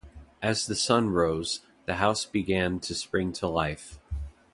As the sun rose, the house began to spring to life.